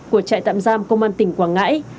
của trại tạm giam công an tỉnh quảng ngãi